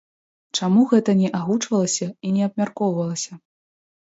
Чаму гэта не агучвалася і не абмяркоўвалася?